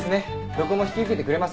どこも引き受けてくれません。